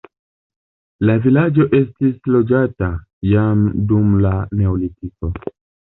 La vilaĝo estis loĝata jam dum la neolitiko.